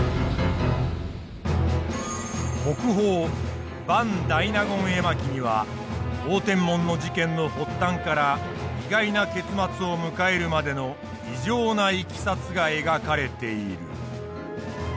国宝「伴大納言絵巻」には応天門の事件の発端から意外な結末を迎えるまでの異常ないきさつが描かれている。